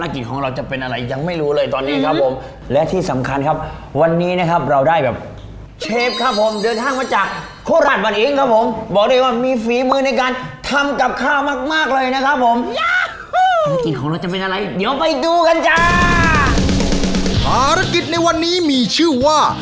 ภารกิจของเราจะเป็นอะไรเดี๋ยวไปดูกันจ้าภารกิจในวันนี้มีชื่อว่า